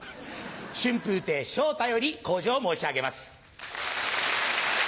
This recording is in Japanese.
春風亭昇太より口上を申し上げます。